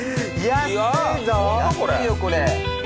安いよこれ。